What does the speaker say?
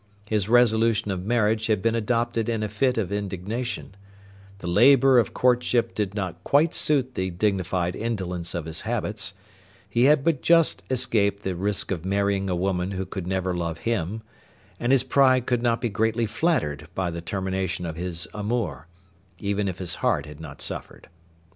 His resolution of marriage had been adopted in a fit of indignation; the labour of courtship did not quite suit the dignified indolence of his habits; he had but just escaped the risk of marrying a woman who could never love him, and his pride could not be greatly flattered by the termination of his amour, even if his heart had not suffered.